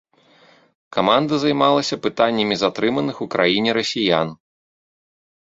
Каманда займалася пытаннямі затрыманых у краіне расіян.